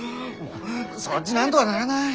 そっちなんとがならない？